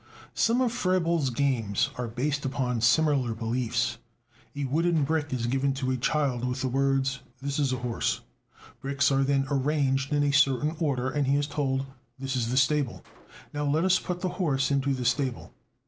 Some of Froebel's games are based upon similar beliefs. A wooden brick is given to a child with the words: "This is a horse." Bricks are then arranged in a certain order, and he is told: "This is the stable; now let us put the horse into the stable."